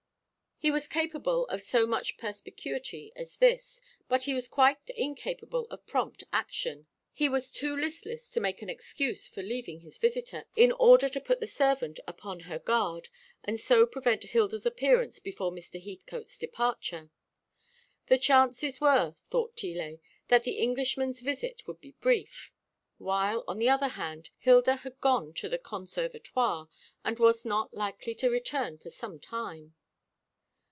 He was capable of so much perspicuity as this, but he was quite incapable of prompt action. He was too listless to make an excuse for leaving his visitor, in order to put the servant upon her guard, and so prevent Hilda's appearance before Mr. Heathcote's departure. The chances were, thought Tillet, that the Englishman's visit would be brief; while, on the other hand, Hilda had gone to the Conservatoire, and was not likely to return for some time.